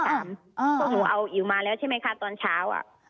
เพราะหนูเอาอิ๋วมาแล้วใช่ไหมคะตอนเช้า